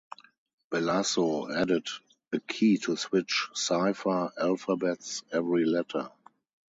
Bellaso added a key to switch cipher alphabets every letter.